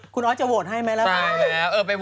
คุณออสจะโหวตให้ไหมล่ะ